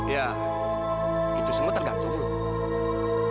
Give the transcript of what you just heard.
ya itu semua tergantung loh